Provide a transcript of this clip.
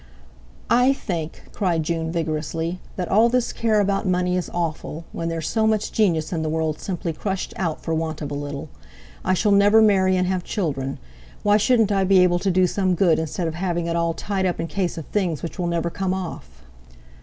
"I think," cried June vigorously, "that all this care about money is awful, when there's so much genius in the world simply crushed out for want of a little. I shall never marry and have children; why shouldn't I be able to do some good instead of having it all tied up in case of things which will never come off?"